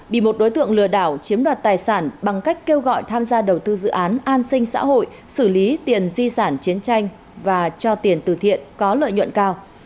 bị một đối tượng lừa đảo chiếm đoạt tài sản bằng cách kêu gọi tham gia đầu tư dự án an sinh xã hội xử lý tiền di sản chiến tranh và cho tiền tử thiện có lợi nhuận cao